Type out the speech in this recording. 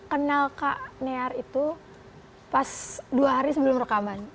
kenal kak near itu pas dua hari sebelum rekaman